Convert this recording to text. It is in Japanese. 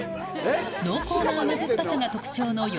濃厚な甘酸っぱさが特徴のよ